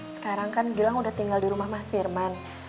sekarang kan gilang udah tinggal di rumah mas firman